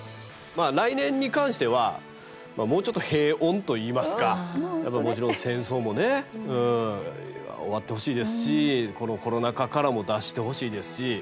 来年に関してはもうちょっと平穏といいますかやっぱりもちろん戦争も終わってほしいですしこのコロナ禍からも脱してほしいですし。